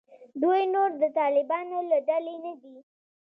دوی نور د طالبانو له ډلې نه دي.